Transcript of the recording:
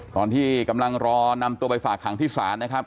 ตอนที่กำลังรอนำตัวไปฝากขังที่ศาลนะครับ